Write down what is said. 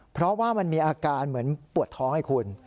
เพราะว่ามันมีอาการเหมือนปวดท้องให้คุณ